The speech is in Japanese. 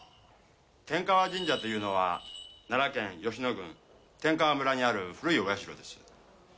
天河神社というのは奈良県吉野郡天川村にある古いお社です。